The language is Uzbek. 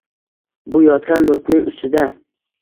Bu yotgan mulkning ustida